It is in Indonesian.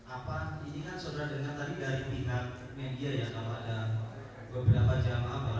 apa ini kan saudara dengar tadi dari pihak media ya kalau ada beberapa jam lama